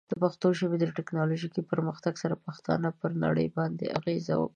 د پښتو ژبې د ټیکنالوجیکي پرمختګ سره، پښتانه پر نړۍ باندې اغېز وکړي.